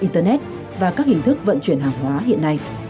internet và các hình thức vận chuyển hàng hóa hiện nay